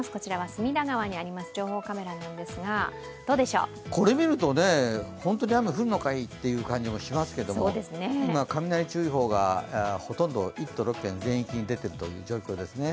隅田川にある情報カメラなんですが、どうでしょう、これを見ると本当に雨が降るのかいという感じもしますけど、雷注意報がほとんど１都６県全域に出ているという状況ですね。